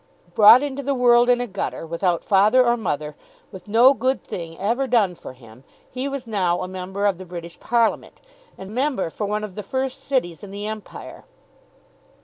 Brought into the world in a gutter, without father or mother, with no good thing ever done for him, he was now a member of the British Parliament, and member for one of the first cities in the empire.